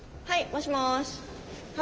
はい。